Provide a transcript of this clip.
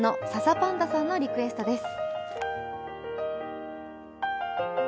ぱんださんのリクエストです。